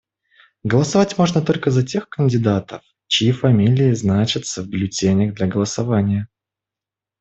Голосовать можно только за тех кандидатов, чьи фамилии значатся в бюллетенях для голосования.